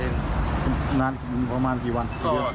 นานประมาณกี่วัน